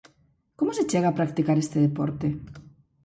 Como se chega a practicar este deporte?